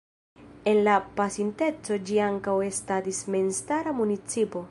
En la pasinteco ĝi ankaŭ estadis memstara municipo.